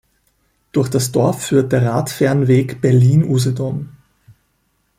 Durch das Dorf führt der Radfernweg Berlin–Usedom.